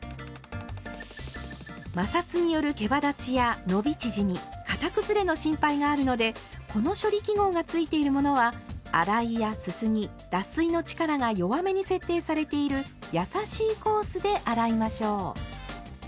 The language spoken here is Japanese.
摩擦によるけばだちや伸び縮み型崩れの心配があるのでこの処理記号がついているものは洗いやすすぎ脱水の力が弱めに設定されているやさしいコースで洗いましょう。